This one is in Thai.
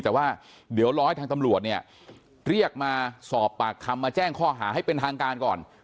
แต่ว่าเดี๋ยวรอให้ทางตำรวจเนี่ยเรียกมาสอบปากคำมาแจ้งข้อหาให้เป็นทางการก่อน